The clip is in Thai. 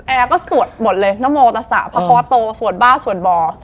แอร์ก็สวดมนต์เลยนโมตัสาพัควาโตสวดบ้าสวดบ่อ